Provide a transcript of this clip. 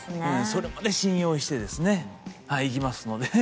それまで信用してですねいきますので。